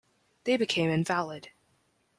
They became invalid.